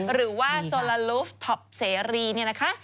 หรือว่าโซลาลูฟท็อปเสรีเนี่ยนะคะ